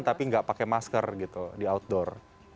tapi nggak pakai masker gitu di outdoor